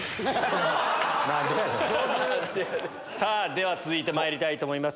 では続いてまいりたいと思います。